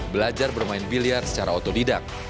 belajar bermain biliar secara otodidak